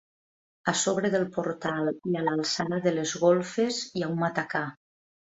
A sobre del portal, i a l'alçada de les golfes, hi ha un matacà.